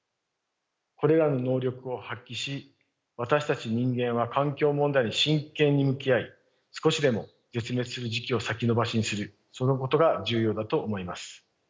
これらの能力を発揮し私たち人間は環境問題に真剣に向き合い少しでも絶滅する時期を先延ばしにするそのことが重要だと思います。